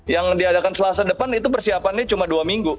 yang diadakan selasa depan itu persiapannya cuma dua minggu